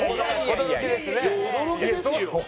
驚きですよ。